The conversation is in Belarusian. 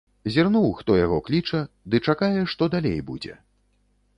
Зірнуў, хто яго кліча, ды чакае, што далей будзе.